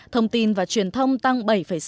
thông tin và truyền thông tăng bảy sáu mươi năm